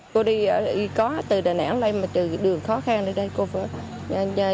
cô đi có từ đà nẵng lên từ đường khó khăn lên đây cô vớt